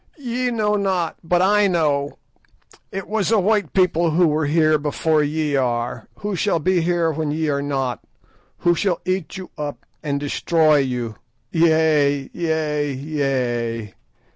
"Ye know not, but I know. It was a white people who were before ye are, who shall be when ye are not, who shall eat you up and destroy you. _Yea! yea! yea!